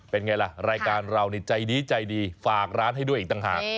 เป็นไงล่ะรายการเรานี่ใจดีใจดีฝากร้านให้ด้วยอีกต่างหาก